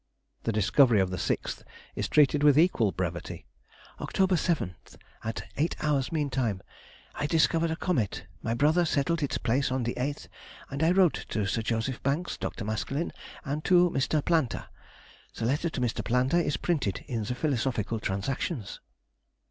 The discovery of the sixth is treated with equal brevity. "Oct. 7, at 8h. mean time. I discovered a comet, my brother settled its place on the 8th, and I wrote to Sir J. Banks, Dr. Maskelyne, and to Mr. Planta. The letter to Mr. Planta is printed in the Philosophical Transactions."